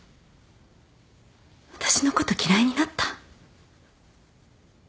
私のこと嫌いになった？